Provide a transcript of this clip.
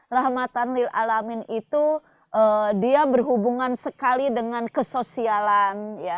rahmatan lil'alamin itu dia berhubungan sekali dengan kesosialan